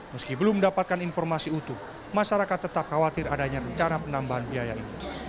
meski belum mendapatkan informasi utuh masyarakat tetap khawatir adanya rencana penambahan biaya ini